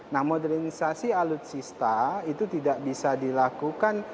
nah modernisasi alutsista itu tidak bisa dilakukan